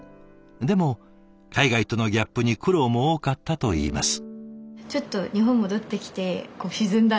でも海外とのギャップに苦労も多かったといいます。